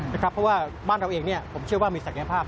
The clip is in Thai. เพราะว่าบ้านเราเองผมเชื่อว่ามีศักยภาพ